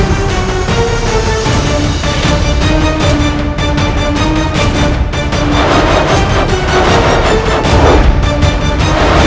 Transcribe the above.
guru tangkap ini